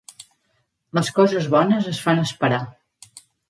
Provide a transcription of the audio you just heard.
Les coses bones es fan esperar.